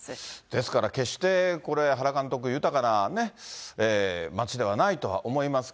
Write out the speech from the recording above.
ですから、決してこれ、原監督、豊かな町ではないとは思います。